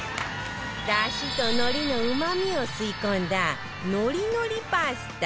出汁と海苔のうまみを吸い込んだのりのりパスタ